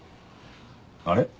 あれ？